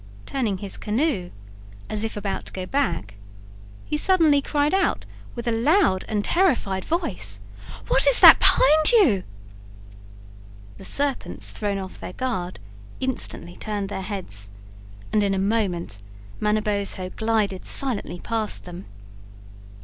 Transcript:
Turning his canoe as if about to go back, he suddenly cried out with a loud and terrified voice: "WHAT IS THAT BEHIND YOU?" The serpents thrown off their guard, instantly turned their heads, and in a moment Manabozho glided silently past them.